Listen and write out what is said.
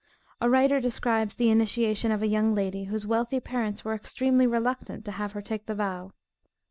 A writer describes the initiation of a young lady, whose wealthy parents were extremely reluctant to have her take the vow.